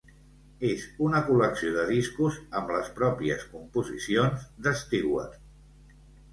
És una col·lecció de discos amb les pròpies composicions de Stewart.